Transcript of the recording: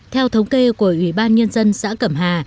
theo thống kê của ủy ban nhân dân xã cẩm hà